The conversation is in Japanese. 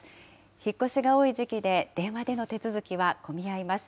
引っ越しが多い時期で、電話での手続きは混み合います。